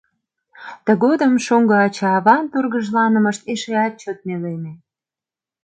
Тыгодым шоҥго ача-аван тургыжланымышт эшеат чот нелеме.